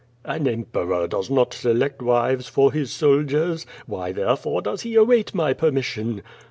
'^ "An Emperor does not select wives for his soldiera. Why, therefore, aoes he await my permission?"